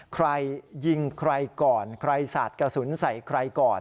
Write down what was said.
ใครยิงใครก่อนใครสาดกระสุนใส่ใครก่อน